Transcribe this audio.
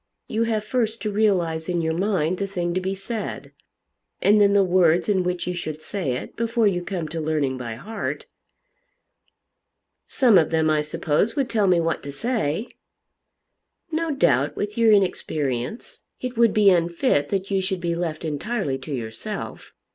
You have first to realise in your mind the thing to be said, and then the words in which you should say it, before you come to learning by heart." "Some of them I suppose would tell me what to say." "No doubt with your inexperience it would be unfit that you should be left entirely to yourself.